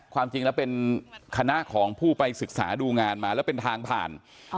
ความจริงแล้วเป็นคณะของผู้ไปศึกษาดูงานมาแล้วเป็นทางผ่าน